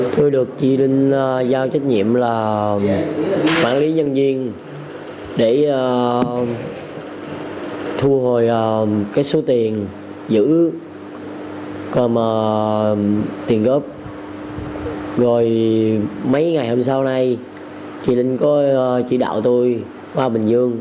thu hồi số tiền giữ tiền góp rồi mấy ngày hôm sau này chị linh có chỉ đạo tôi qua bình dương